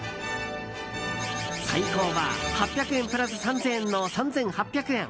最高は８００円プラス３０００円の３８００円。